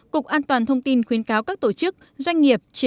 cục an toàn thông tin khuyến cáo các tổ chức doanh nghiệp